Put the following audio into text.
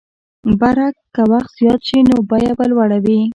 برعکس که وخت زیات شي نو بیه به لوړه وي.